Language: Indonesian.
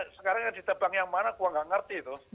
nah sekarang yang ditebang yang mana aku gak ngerti itu